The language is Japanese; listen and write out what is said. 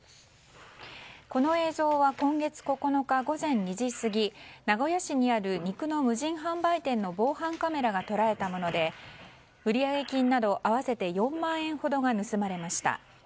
この映像は今月９日午前２時過ぎ名古屋市にある肉の無人販売店の防犯カメラが捉えたもので売上金など合わせて４万円ほどが盗まれました。